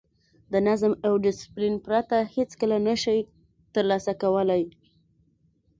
د نظم او ډیسپلین پرته هېڅکله نه شئ ترلاسه کولای.